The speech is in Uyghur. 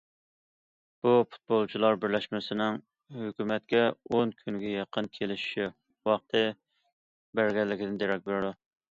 بۇ پۇتبولچىلار بىرلەشمىسىنىڭ ھۆكۈمەتكە ئون كۈنگە يېقىن كېلىشىش ۋاقتى بەرگەنلىكىدىن دېرەك بېرىدۇ.